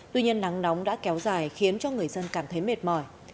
tuy nhiên nắng nóng đã kéo dài khiến cho người dân cảm thấy mệt mỏi